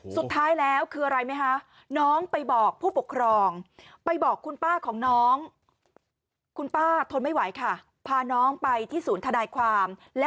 สุดท้ายแล้วคืออะไรไหมคะ